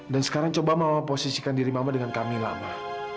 dan sekarang coba mama posisikan diri mama dengan kamila ma